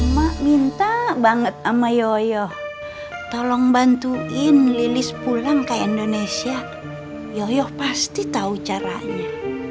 mak minta banget sama yoyo tolong bantuin lilis pulang ke indonesia yoyo pasti tahu caranya